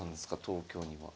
東京には。